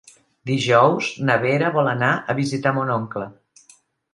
Dijous na Vera vol anar a visitar mon oncle.